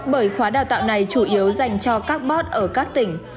bởi khóa đào tạo này chủ yếu dành cho các bót ở các tỉnh